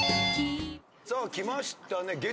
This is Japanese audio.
さあ来ましたね